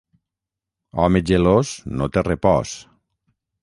Home gelós no té repòs.